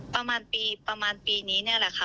ประมาณปีนี้นี่แหละค่ะ